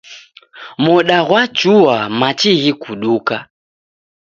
Moda ghwachua, machi ghikuduka.